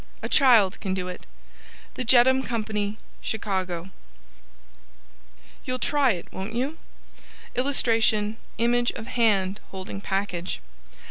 A Child Can Do It. THE JETUM CO. CHICAGO You'll try It won't You? [Illustration: Image of hand holding package.